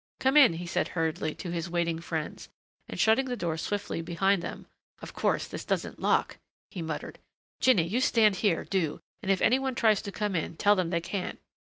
Come in," he said hurriedly to his waiting friends, and shutting the door swiftly behind them, "of course this doesn't lock!" he muttered. "Jinny, you stand here, do, and if any one tries to come in tell them they can't."